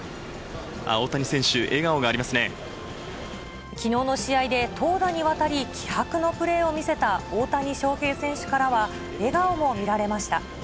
大谷選手、きのうの試合で、投打にわたり気迫のプレーを見せた大谷翔平選手からは、笑顔も見られました。